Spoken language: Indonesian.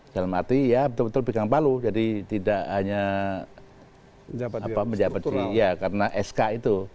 dalam arti ya betul betul pegang palu jadi tidak hanya menjabat di ya karena sk itu